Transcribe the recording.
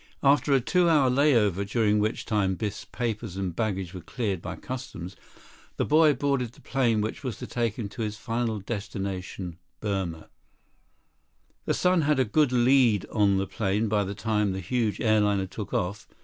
After a two hour layover, during which time Biff's papers and baggage were cleared by customs, the boy boarded the plane which was to take him to his final destination, Burma. The sun had a good lead on the plane by the time the huge airliner took off.